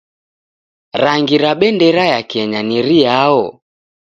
Rangi ra bendera ya Kenya ni riao?